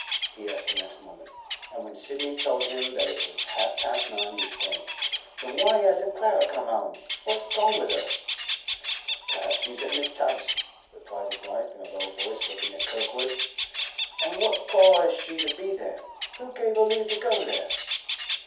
he asked the next moment. And when Sidney told him that it was half past nine, he exclaimed, 'Then why hasn't Clara come 'ome? What's gone with her?' 'Perhaps she's at Mrs. Tubbs's,' replied his wife, in a low voice, looking at Kirkwood. 'An' what call has she to be there? Who gave her leave to go there?